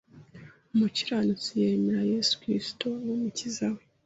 Umukiranutsi yemera Yesu Kristo nk’Umukiza we